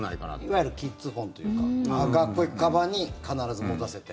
いわゆるキッズフォンというか学校行くかばんに必ず持たせて。